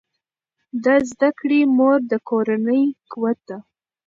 د زده کړې مور د کورنۍ قوت ده.